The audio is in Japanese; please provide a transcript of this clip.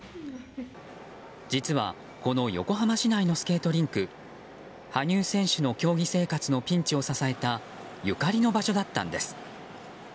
実は、この横浜市内のスケートリンク羽生選手の競技生活のピンチを支えたゆかりの場所だったんです。